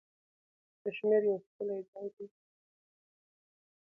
کشمیر یو ښکلی ځای دی.